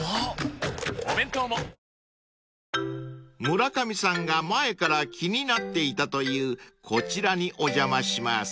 ［村上さんが前から気になっていたというこちらにお邪魔します］